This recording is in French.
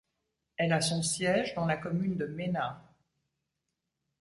Elle a son siège dans la commune de Mehna.